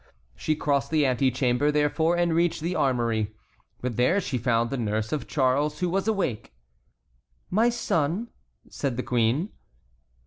She crossed the antechamber, therefore, and reached the armory. But there she found the nurse of Charles, who was awake. "My son?" said the queen.